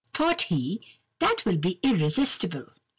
Thought he, that will be irresistible!